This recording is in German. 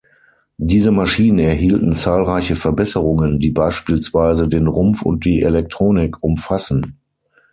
Diese Maschinen erhielten zahlreiche Verbesserungen, die beispielsweise den Rumpf und die Elektronik umfassen.